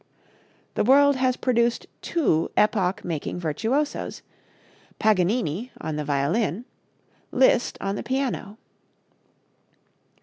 The world has produced two epoch making virtuosos Paganini on the violin, Liszt on the piano.